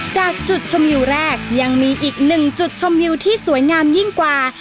จากจุดชมวิวแรกยังมีอีกหนึ่งจุดชมวิวที่สวยงามยิ่งกว่า